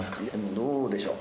どうでしょう